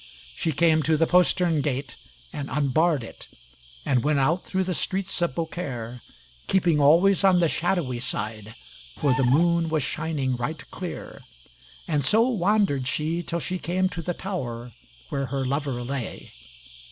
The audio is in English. She came to the postern gate, and unbarred it, and went out through the streets of Beaucaire, keeping always on the shadowy side, for the moon was shining right clear, and so wandered she till she came to the tower where her lover lay.